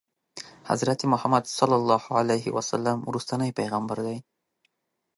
حضرت محمد صلی الله علیه وسلم وروستنی پیغمبر دی.